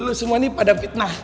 lu semua ini pada fitnah